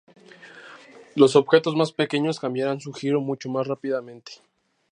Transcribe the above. Los objetos más pequeños cambiarán su giro mucho más rápidamente.